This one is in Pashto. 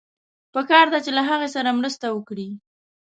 پکار ده چې له هغه سره مرسته وکړئ.